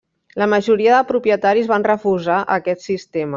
La majoria de propietaris van refusar aquest sistema.